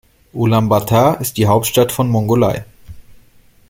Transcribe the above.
Ulaanbaatar ist die Hauptstadt von Mongolei.